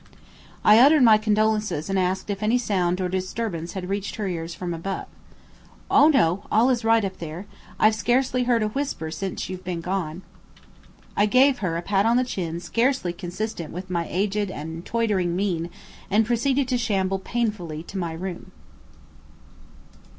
I uttered my condolences and asked if any sound or disturbance had reached her ears from above. "O no, all is right up there; I've scarcely heard a whisper since you've been gone." I gave her a pat on the chin scarcely consistent with my aged and tottering mien and proceeded to shamble painfully to my room.